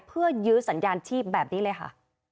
เพื่อยื้อสัญญาณชีพแบบนี้เลยค่ะ